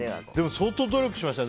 相当努力しましたね。